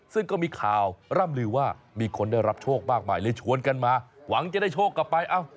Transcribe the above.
ซึ่งก็มีข่าวร่ำลือว่ามีคนได้รับโชคมากมายเลยชวนกันมาหวังจะได้โชคกลับไป